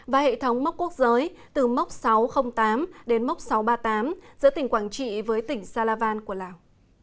và hệ thống mốc quốc giới từ mốc sáu trăm linh tám đến mốc sáu trăm ba mươi tám giữa tỉnh quảng trị với tỉnh salavan của lào